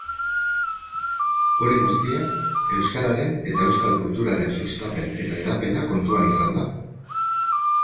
Hori guztia, euskararen eta euskal kulturaren sustapen eta hedapena kontuan izanda.